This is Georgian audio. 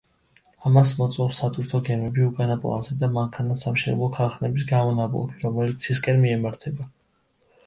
ამას მოწმობს სატვირთო გემები უკანა პლანზე და მანქანათსამშენებლო ქარხნების გამონაბოლქვი, რომელიც ცისკენ მიემართება.